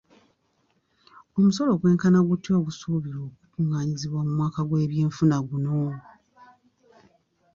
Omusolo gwenkana gutya ogusuubirwa okukungaanyizibwa mu mwaka gw'ebyenfuna guno?